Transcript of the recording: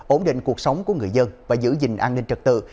ổn định cuộc sống của người dân và giữ gìn an ninh trật tự